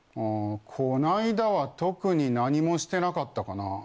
あこの間は特に何もしてなかったかな。